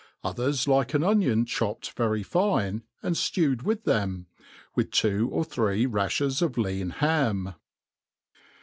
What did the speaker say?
Others like an onion chopped very fine and ftewed with tbem^ wiCb two or three raihers of lean ham.